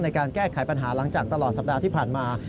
ในการแก้ไขปัญหาหลังจากตลอดสัปดาห์ที่ผ่านมา